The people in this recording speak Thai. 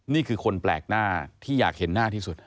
นี่คือคนแปลกหน้าที่อยากเห็นหน้าที่สุด